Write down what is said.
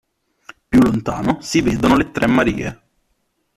Più lontano si vedono le tre Marie.